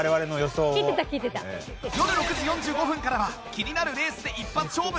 よる６時４５分からは気になるレースで一発勝負！